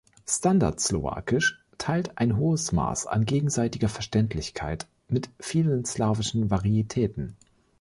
Standardslowakisch teilt ein hohes Maß an gegenseitiger Verständlichkeit mit vielen slawischen Varietäten.